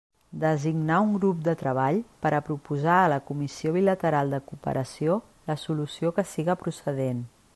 Designar un grup de treball per a proposar a la Comissió Bilateral de Cooperació la solució que siga procedent.